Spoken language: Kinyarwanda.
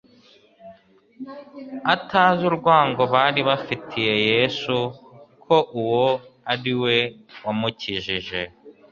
atazi urwango bari bafitiye Yesu, ko uwo ari we wamukijije.